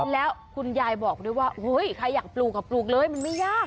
แล้วคุณยายบอกด้วยว่าเฮ้ยใครอยากปลูกปลูกเลยมันไม่ยาก